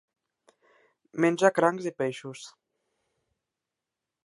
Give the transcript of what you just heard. Menja crancs i peixos.